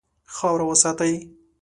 خاوره وساتئ.